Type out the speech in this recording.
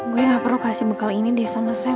gua ga perlu kasih bekal ini deh sama sam